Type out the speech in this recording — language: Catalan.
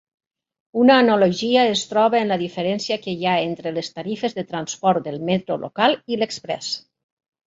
Una analogia es troba en la diferència que hi ha entre les tarifes de transport del metro local i l'exprés.